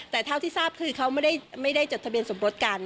แต่เท่าที่ทราบคือเขาไม่ได้จดทะเบียนสมรสกัน